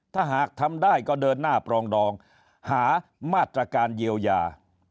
ถ้าหากทำได้ก็เดินหน้าปรองดองหามาตรการเยียวยา